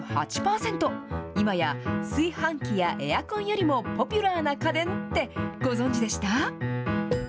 いまや炊飯器やエアコンよりもポピュラーな家電って、ご存じでした？